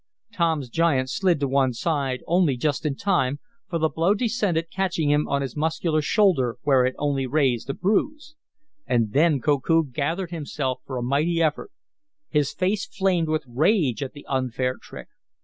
Tom's giant slid to one side only just in time, for the blow descended, catching him on his muscular shoulder where it only raised a bruise. And then Koku gathered himself for a mighty effort. His face flamed with rage at the unfair trick.